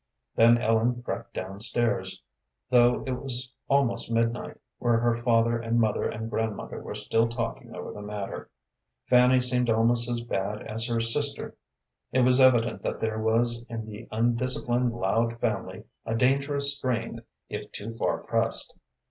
Then Ellen crept down stairs, though it was almost midnight, where her father and mother and grandmother were still talking over the matter. Fanny seemed almost as bad as her sister. It was evident that there was in the undisciplined Loud family a dangerous strain if too far pressed.